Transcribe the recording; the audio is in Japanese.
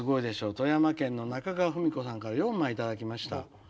富山県のなかがわふみこさんから４枚頂きました。